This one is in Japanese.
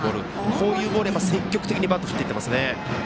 こういうボールを積極的にバットを振っていっていますね。